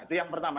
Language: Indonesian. itu yang pertama